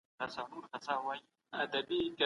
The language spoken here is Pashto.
موږ باید لومړی د علم په اړه خبرې وکړو.